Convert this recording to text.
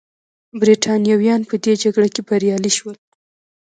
برېټانویان په دې جګړه کې بریالي شول.